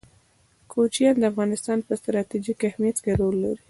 کوچیان د افغانستان په ستراتیژیک اهمیت کې رول لري.